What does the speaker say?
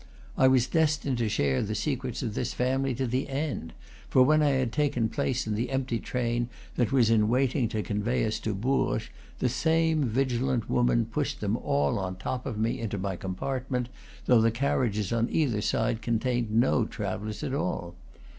I was destined to share the secrets of this family to the end; for when I had taken place in the empty train that was in waiting to convey us to Bourges, the same vigilant woman pushed them all on top of me into my com partment, though the carriages on either side con tained no travellers at all.